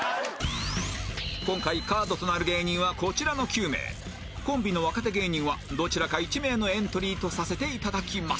今回カードとなる芸人はこちらの９名コンビの若手芸人はどちらか１名のエントリーとさせていただきます